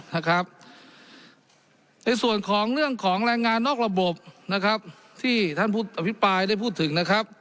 ในส่วนของเรื่องของแรงงานนอกระบบที่ท่านผู้พิพายได้พูดถึง